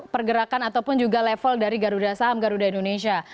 pergerakan ataupun juga level dari garuda saham garuda indonesia